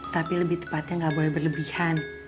tapi lebih tepatnya nggak boleh berlebihan